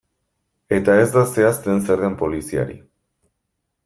Eta ez da zehazten zer den poliziari.